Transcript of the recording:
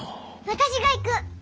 私が行く！